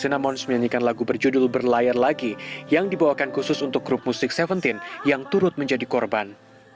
di sinamons menyanyikan lagu berjudul berlayar lagi yang dibawakan khusus untuk grup musik seventeen yang turut menjadi korban